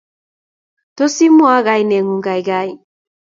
Tos, imwaa kainengung, gaigai?